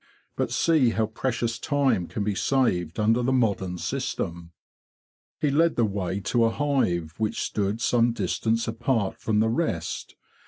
But see how precious time can be saved under the modern system." He led the way to a hive which stood some dis tance apart from the rest.